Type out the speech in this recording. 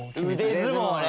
腕相撲ね。